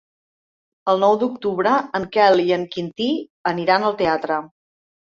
El nou d'octubre en Quel i en Quintí aniran al teatre.